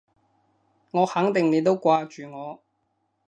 我肯定你都掛住我